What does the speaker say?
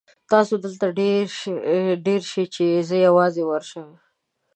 تاسو دلته دېره شئ چې زه یوازې ورشم.